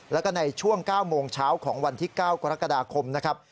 แล้วก็ในช่วง๙โมงเช้าของวันที่๙กรกฎาคมนะครับ